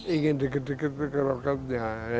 ingin deket deket ke roketnya